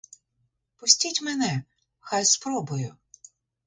Пустіть мене, хай спробую.